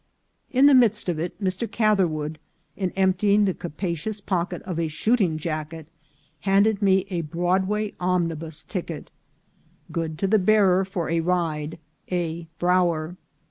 In the midst of it Mr. Catherwood, in emptying the capacious pocket of a shooting jacket, handed me a Broadway omnibus ticket: " Good to the bearer for a ride, " A. Brower."